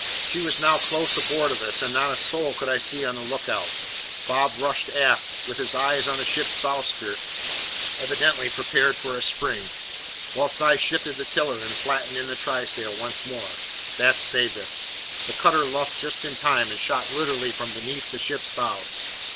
She was now close aboard of us, and not a soul could I see on the look out. Bob rushed aft, with his eye on the ship's bowsprit, evidently prepared for a spring; whilst I shifted the tiller and flattened in the trysail sheet once more. That saved us. The cutter luffed just in time, and shot literally from beneath the ship's bows.